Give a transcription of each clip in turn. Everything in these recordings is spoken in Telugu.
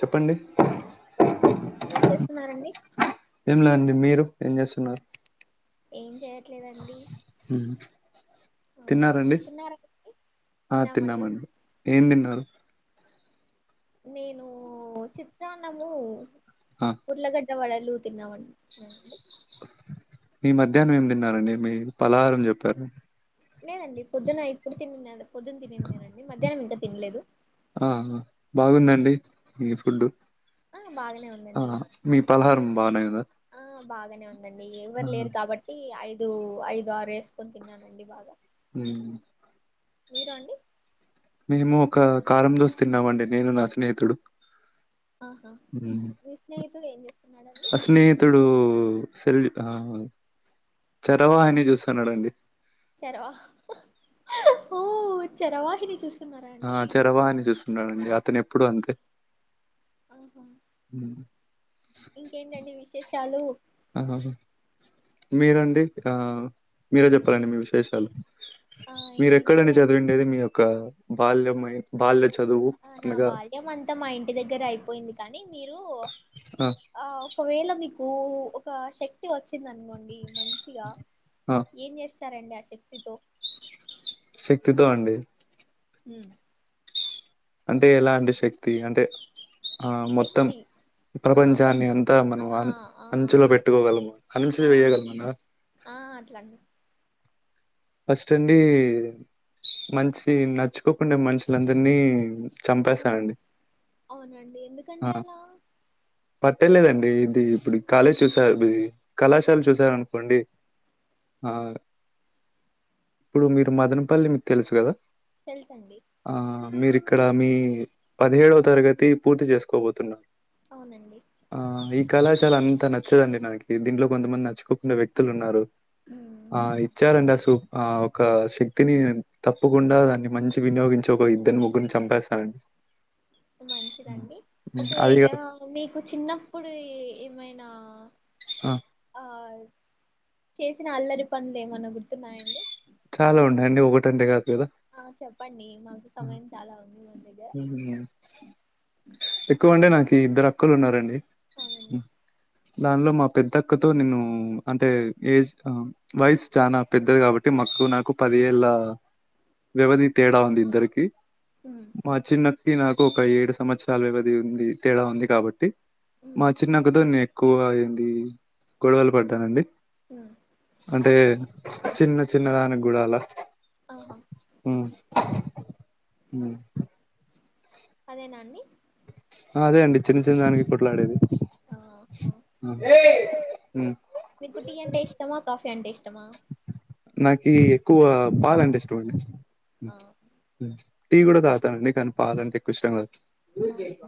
చెప్పండి ఏం చేస్తున్నారండి ండి మీరు ఏం చేస్తున్నారు ఏం చేయట్లేదండి తిన్నారండి తిన్నారాఅండి ఆ తిన్నామండి ఎం తిన్నారు నేను చిత్రాన్నము ఆ ఉర్లగడ్డ వడలు తిన్నామండి తిన్నానండి. మీ మధ్యాహ్నం ఏం తిన్నారంండి మీ పలహారుని చెప్పారు లేదండి పొద్దున ఇప్పుడు తినిద పొద్దున్న తినిండేందేండి మధ్యాహ్నం ఇంకా తినలేదు ఆ బాగుందండి మీ ఫుడ్ ఆ బాగానే ఆ ఉందండి మీ పలహారం బానేందా ఆ బాగానే ఉందండి ఎవరు లేరు కాబట్టి ఐదు ఐదు ఆరు వేసుకొని తిన్నానండి బాగా హ్మ్మ్ మీరు అండి మేము ఒక కారం దోశ తిన్నామండి నేను నా స్నేహితుడు ఆహా మీ స్నేహితుడు ఏం చే అ స్నేహితుడు సెల్ ఆ చరవహిని చూస్తున్నాడంండి చరవా ఓ చరవాహని చూసి ఆ చరవాహిని చూస్తున్నాడంండి అతను ఎప్పుడు అంతే ఆఓహో మ్మ్ ఇంకేంటండి విశేషాలు ఆ మీరండి ఆ మీరే చెప్పాలండి మీ విశేషాలు ఆ మీరూ ఏం ఎక్కడండి లేదండి చదివండేది మీ యొక్క బాల్య బాల్య చదువు ఆ నా అనగా బాల్యం అంతా మా ఇంటి దగ్గర అయిపోయింది కానీ మీరు ఆ ఒకవేళ మీకు ఒక శక్తి వచ్చింది అనుకోండి మంచిగా ఆ ఏం చేస్త సారండి ఆ శక్తితో శక్తితో అండి ఉ అంటే ఎలా అంటే శక్తి అంటే ఆ మొత్తం శక్తి ఆ ప్రపంచాన్ని అంతా ఆ మనం అం ఆ అంచలో పెట్టుకోగలము అంచులు ఆ వేయగలమన ఆ అట్లాండి ఫస్ట్ అండి మంచి నచ్చుకోకుండా మనుషులందరినీ ఆ చంపేస్తానండి అవునండి ఎందుకండి అలా పట్టలేదండి ఇది ఇప్పుడు కాలేజ్ చూసారు ది కళాశాల చూసార అనుకోండి ఆవును ఇప్పుడు మీరు మదనపల్లి మీకు తెలుసు కదా తెలుసండి మీరి ఇక్కడ మీ పదిహేడవ తరగతి పూర్తి చేసుకోబోతున్నారు అవునండి ఆ ఈ కళాశాల అంతా నచ్చదండి నాకి దీంట్లో కొంతమంది నచ్చుకోకుండా వ్యక్తులు ఉన్నారు ఉమ్, ఆ ఇచ్చారంట సూప్ ఆ ఒక శక్తిని తప్పకుండా దాన్ని మంచి వినియోగించి ఒక ఇద్దరిని ముగ్గురిని చంపేస్తారండి హ్మ్. మంచిదండి హ్మ్. ఒకవే అది ఆ కాదు మీకు చిన్నప్పుడు ఏమైనా ఆ ఆ చేసిన అల్లరి పనులు ఏమన్న గుర్తున్నాయండి చాలా ఉన్నాయండి ఒకటంటే కాదు కదా ఆ చెప్పండి మాకు సమయం చాలా ఉంది మన దగ్గర హ్మ్. ఎక్కువ అంటే నాకి ఇద్దరు అక్కలు ఉన్నారండి అవునండి హ్మ్. దానిలో మా పెద్దక్కతో నేను అంటే ఏజ్ ఆ వైస్ చానా పెద్దది కాబట్టి మాకుకు నాకు పది ఏళ్ళ వ్యవధి తేడా ఉంది ఇద్దరికి మ్మ్ మా చిన్నకి నాకు ఒక ఏడు సంవత్సరాల వ్యవధి ఉంది తేడా ఉంది కాబట్టి మా చిన్నకతో నేను ఎక్కువ ఏంది గొడవలు పడ్డానండి మ్మ్ అంటే చిన్న చిన్న దానికి కూడా అలా ఆహా ఉ అదేనా అండి ఆ అదే అండి చిన్న చిన్న దానికి కొట్లాడేది ఆహా ఆ మీకు టీ అంటే ఇష్టమా కాఫీ అంటే ఇష్టమా నాకి ఎక్కువ పాలంటే ఇష్టమండి ఆ టీ కూడా తాగుతానండి కానీ పాలంటే ఎక్కువ ఇష్టం కద్ ఆహా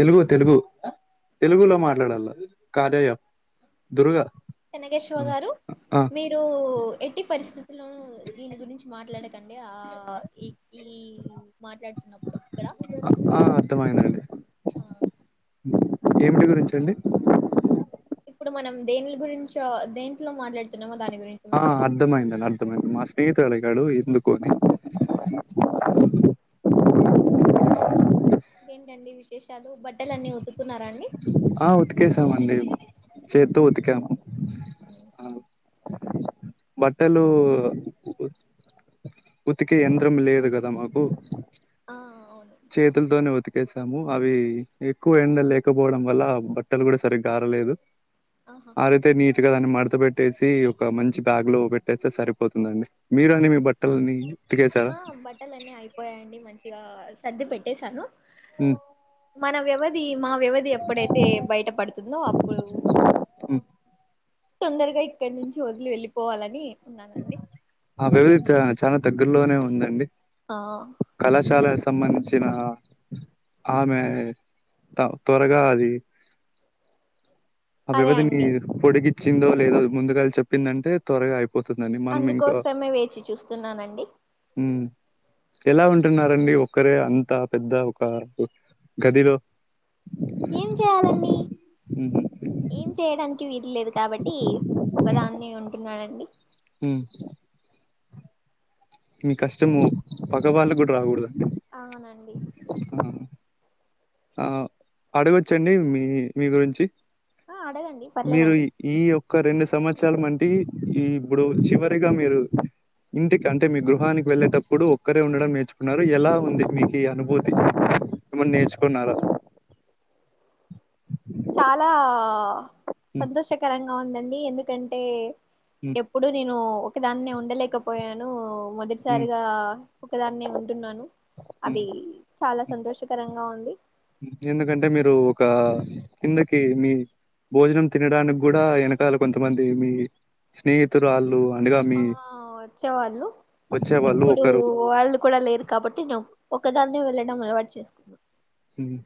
తెలుగు తెలుగు తెలుగులో మాట్లాడాల కార్యయం దుర్గా కనకేశ్వ ఆ గారు ఆ మీరు ఎట్టి పరిస్థితుల్లోనూ దీని గురించి మాట్లాడక కండి ఆ ఈ ఈ మాట్లాడుతున్నప్పుడు ఇక్కడ ఆ, అర్థమైందండి ఆ ఏమిటి గురించండి ఇప్పుడు మనం దేనిల గురించో దేంట్లో మాట్లాడుతున్నాం ఆ అర్ధమైంది అర్థమైంది మా స్నేహితాళి గడు ఎందుకోని ఇంకేంటండి విశేష్ ఆ ఉతికేసామండి చేత్తో ఉతికాము ఆ బట్టలు ఉతికే యంత్రం లేదు కదా మాకు ఆ అవును చేతుల్తోనే ఉతికేసాము అవి ఎక్కువ ఎండ లేకపోవడం వల్ల బట్టలు కూడా సరిగ్గా అర్ లేదు ఆహా ఆరైతే నీట్గా దాన్ని మడత పెట్టేసి ఒక మంచి బ్యాగ్ లో పెట్టేస్తే సరిపోతుందండి మీరు అండి ఆవ్ మీ బట్టలని ఉతికేసారా ఆ బట్టలన్నీ అయిపోయయండి మంచిగా సర్ది పెట్టే సను మ్ మన వ్యవధి మా వ్యవధి ఎప్పుడైతే బయట పడుతుందో అప్పుడు తొందరగా ఇక్కడి నుంచి వదిలి వెళ్ళిపోవాలని ఉన్నానండి చ చాలా దగ్గరలోనే ఉందండి ఆ కళాశాల సంబంించిన ఆమె త త్వరగా అది అ అదే వ్యవదిని అండి పొడికిచ్చిందో లేదా ముందుగాల చెప్పిందంటే త్వరగా అయిపో పోతుందండి మనం ఇంకా అందుకోసమే వేచి చూస్తున్నానండి మ్ ఎలా ఉంటున్నరండి ఒక్కరే అంత పెద్ద ఒక గదిలో ఏం చేయాలండి ఏం చేయడానికి వీలు లేదు కాబట్టి ఒకదాన్ని ఉంటున్నానండి ఉమ్, మీ కష్టము పగ వాళ్ళకి కూడా రాకూడదండి అవునండి ఆ అడగొచ్చండి మీ మీ గురించి ఆ అడగండి మీరు పర్లేదండి ఈ ఓ ఒక రెండు సంవత్సరాల మంటి ఈ ఇప్పుడు చివరిగా మీరు ఇంటికి అంటే మీ గృహానికి వెళ్ళేటప్పుడు ఒక్కరే ఉండడం నేర్చుకున్నారు ఎలా ఉంది మీకు ఈ అనుభూతి ఏమన్నా నేర్చుకున్నారా చాలా ఉమ్, సంతోషకరంగా ఉందండి ఎందుకంటే ఉమ్, ఎప్పుడు నేను ఒకదాన్నే ఉండలేకపోయాను ఉమ్, మొదటిసారిగా ఒకదాన్నే ఉంటున్నాను ఉమ్. అది చాలా సంతోషకరంగా ఉంది ఎందుకంటే మీరు ఒక కిందకి మీ భోజనం తినడానికి కూడా వెనకాల కొంతమంది మీ స్నేహితులు వాళ్ళు ఆ వచ్చేవాళ్ళు వచ్చేవాళ్ళు ఇప్పుడు ఒకరు వాళ్ళు కూడా లేరు కాబట్టి ని ఒకదాన్నే వెళ్ళడం అలవాటు చేసుకున్న మ్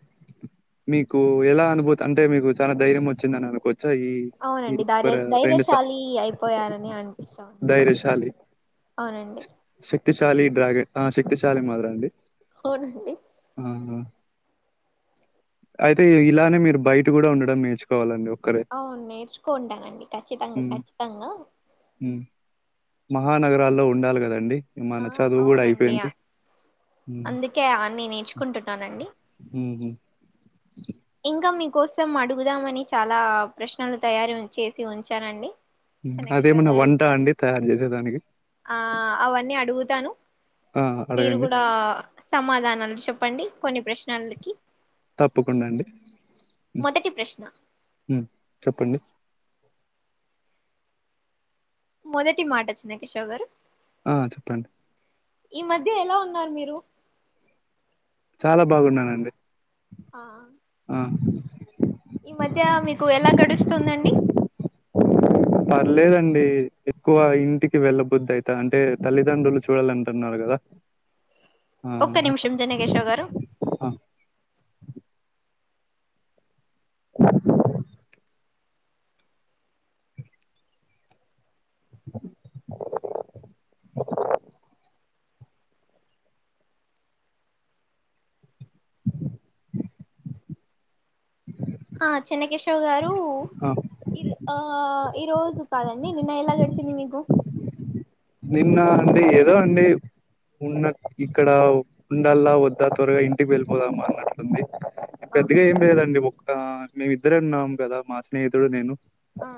మీకు ఎలా అనుభూతి అంటే మీకు చాన ధైర్యం వచ్చిందని అనుకోవ ఈ ఈ అవునండి ధైర్య రెండు స ధైర్యశాలి అయిపోయానని అనిపిస్తాంది ధైర్యశాలి అవునండి శక్తిశాలి డ్రాగన్ ఆ శక్తిశాలి మాదిరండి అవునండి అయితే ఇలానే మీరు బయట కూడా ఉండడం నేర్చుకోవాలండి ఒక్కరే అవును నేర్చుకోంటానండి ఖచ్చితంగా ఉమ్, ఖచ్చితంగా ఉమ్. మహానగరాల్లో ఉండాలి కదండి మన ఆ చదువు కూడా అవునండి అయిపోయింది మ్ అందుకే అన్ని నేర్చుకుంటున్నానండి మ్ హు ఇంకా మీకోసం అడుగుదామని చాలా ప్రశ్నలు తయారు చేసి ఉంచానండి హ్మ్ చెన్నకేశవ్ అదేమన్నా గారు వంట అండి తయారు చే ఆ అవన్నీ అడుగుతాను ఆ మీరు అడగండి కూడా సమాధానాలు చెప్పండి కొన్ని ప్రశ్నలకి తప్పకుండా అండి హ్మ్ మొదటి ప్రశ్న ఉమ్ చెప్పండి మొదటి మాట చెన్నకిషోర్ గారు ఆ చెప్పండి ఈ మధ్య ఎలా ఉన్నారు మీరు చాలా బాగున్నానండి ఆహ ఆ ఎలా గడుస్తుందండి లేదండి ఎక్కువ ఇంటికి వెళ్ళ బుద్ధయితాంటే తల్లిదండ్రులు చూడాలంటున్నారు కదా ఆ ఒక్క నిమిషం చెన్నకేశవ్ గారు ఆ [inaudible] [inaudible] [inaudible] ఆ చెన్నకేశవ్ గారు ఆ మీరు ఆ ఈ రోజు కాదండి నిన్న ఎలా గడిచింది మీకు నిన్న అండి ఏదో అండి ఉన్న ఇక్కడ ఉండల్లా వద్దా త్వరగా ఇంటికి వెళ్ళిపోదాం అన్నట్లుంది ఆహా పెద్దగా ఏం లేదండి ఒక్క మేము ఇద్దరే ఉన్నాము కదా మా స్నేహితుడు నేను ఆ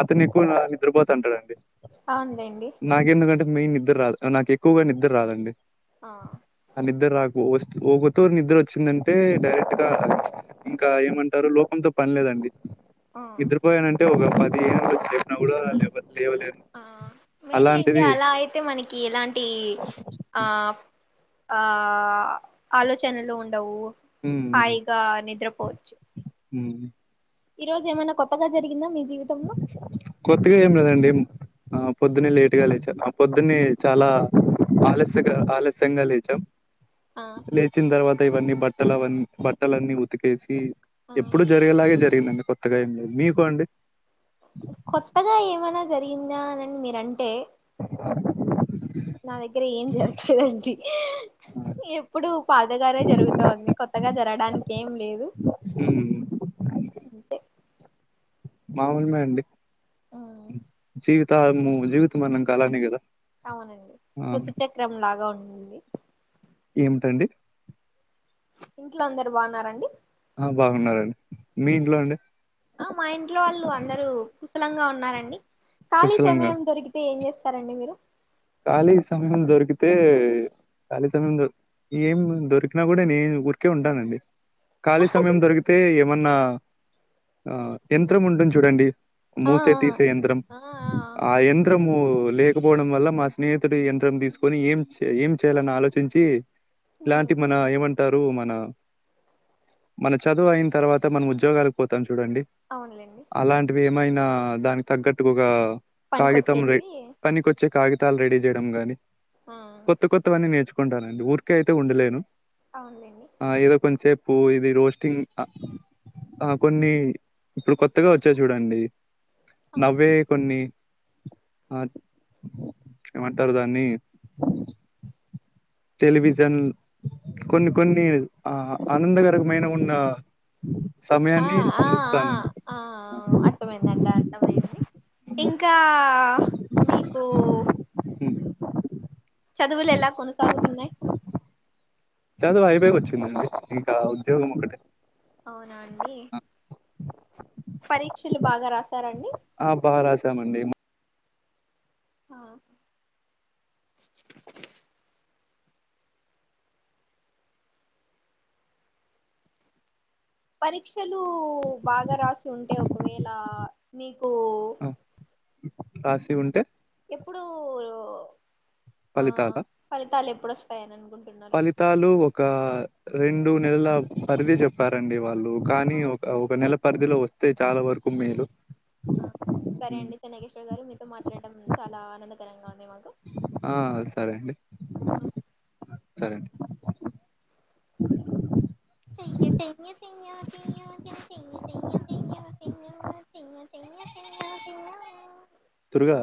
అతను ఎక్కువ నిద్రపోతూ ఉంటాడండి అవునులేండి నాకేందుకంటే మెయిన్ నిద్ద రాదు నాకు ఎక్కువగా నిద్ర రాదండి ఆ ఆ నిద్ర రాకు ఓసి ఓగతూరి నిద్ర వచ్చిందంటే డైరెక్ట్ గా ఇంకా ఏమంటారు లోకంతో పనిలేదండి ఆ నిద్ర పోయానంటే ఒక పది ఏనుగులు వచ్చి లేపినా కూడా లే లేవలేను మీలు లేండి అలాంటిది అలా అయితే మనకి ఎలాంటి ఆ ఆ ఆలోచనలు ఉండవు ఉమ్ హాయిగా నిద్రపోవచ్చు హ్మ్ ఈ రోజు ఏమైనా కొత్తగా జరిగిందా మీ జీవితంలో కొత్తగా ఏం లేదండి ఆ పొద్దున్నే లేట్గా లేచా ఆ పొద్దున్నే చాలా ఆలస్యంగా ఆలస్యంగా లేచాం ఆ లేచిన తర్వాత ఇవన్నీ బట్టలవన్ని బట్టలన్నీ ఉతికేసి ఆ ఎప్పుడు జరిగేలాగే జరిగిందండి కొత్తగా ఏం లేదు మీకు అండి కొత్తగా ఏమైనా జరిగిందా అనని మీరంటే [inaudible] నా దగ్గర ఏం జరగా లేదండి ఎప్పుడు పాతగానే జరుగుతుంది కొత్త కొత్తగా జరగడానికి ఏం లేదు హ్మ్ అంతే మామూలుమే అండి జీవితాము జీవితం అన్నాక అలానే కదా అవునండి ఆ రుతుచక్రం లాగా ఉంది ఏమిటండి ఇంట్లో అందరు బాగున్నారండి ఆ బాగున్నరండి, మీ ఇంట్లో అండి? ఆ మా ఇంట్లో వాళ్ళు అందరు కుసలంగా ఉన్నారండి, ఖాళీ కుశలంగా సమయం దొరికితే ఏం చేస్ సారండి మీరు కాలీ సమయం దొరకితే ఖాలీ సమయం దో ఏం దొరికినా గుడ నేను ఊరికే ఉంటానండి. ఖాళీ సమయం దొరికితే ఏమన్నా, ఆ యంత్రం ఉంటుంది చూడండి ఆ మూసే తీసే యంత్రం, ఆ యంత్రము లేకపోవడం వల్ల మా స్నేహితుడి యంత్రం తీసుకొని ఏం చే ఏం చేయాలని ఆలోచించి, ఉమ్ ఇలాంటి మన ఏమం టరు మన మన చదువు అయిన తర్వాత మనము ఉద్యోగాలకు పోతాం చు చూడండి, అవునులేండి అలాంటివి ఏమైనా దానికి తగ్గట్టుగా ఒక కాగితం రె పనికొచ్చేటివి దానికొచ్చే కాగితాలు రెడీ చేయడం గాని, ఆ కొత్త కొత్తవన్నీ నేర్చు కుంటానండి ఊరికే అయితే ఉండలేను, అవునులేండి ఆ ఏదో కొంచసేపు పూ ఇది రోస్టింగ్ అ ఆ కొన్ని ఇప్పుడు కొత్తగా వచ్చాయ్ చూడండి ఆ నవ్వే కొన్ని ఆ ఏమంటారు దాన్ని, టెలివిజన్ కొన్ని కొన్ని ఆ ఆనందకరమైన ఉన్న ఆ సమయాన్ని ఆ చూస్తానండి ఆ ఆ అర్థమైందండి అర్థమైంది. ఇంకా మీకు హ్మ్. చదువులెల కొనసాగుతున్నాయ్ చదువు అయిపోయి వచ్చిందండి, ఇంకా ఉద్యోగం ఒకటే అవునా అండి. పరీక్షలు బాగా రాస్ ఆ బా రాసామండి. ఆ పరీక్ష క్షలు బాగా రాసి ఉంటే ఒకవేళ మీకు ఆ! రాసి ఉంటే ఇప్పుడు ఆ ఫలితాలా ఫలితాలు ఎప్పుడు వస్తాయని అనుకుం ఫలితాలు ఒక రెండు నెలల పరిధి చెప్పారండి వాళ్ళు. కానీ అవునా ఒక ఒక నెల పరిధిలో వస్తే చాలా వరకు మేలు. ఆ సరే హ్మ్. అండి చెన్నకేశ్వర్ గారు, మీతో మాట్లాడటం చాలా ఆనందకరంగా ఉంది. మాకు ఆ సరే అండి, ఆ సరే అండి. చెయ్య చెయ్య చెయ్య చెయ్య చాన చెయ్య చెయ్య చెయ్య చెయ్య చెయ్య దుర్గా